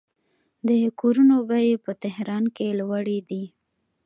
د کورونو بیې په تهران کې لوړې دي.